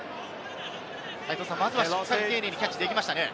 まずはしっかり丁寧にキャッチできましたね。